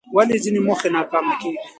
ولې ځینې موخې ناکامه کېږي؟